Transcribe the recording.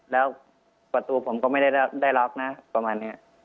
แล้วประตูผมก็ไม่ได้ล็อกนะประมาณนี้